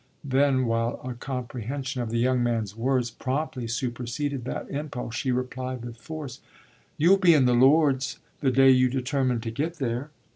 Then while a comprehension of the young man's words promptly superseded that impulse she replied with force: "You'll be in the Lords the day you determine to get there."